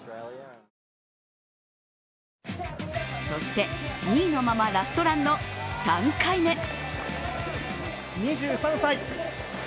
そして、２位のままラストランの３回目。